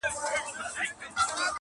ښکلي آواز دي زما سړو وینو ته اور ورکړی!.